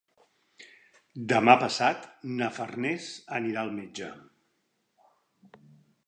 Demà passat na Farners anirà al metge.